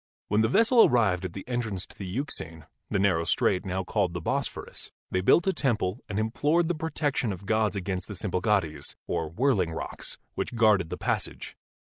When the vessel arrived at the entrance to the Euxine — the narrow strait now called the Bosphorus — they built a temple and implored the protection of the gods against the Symplegades, or Whirling Rocks, which guarded the passage.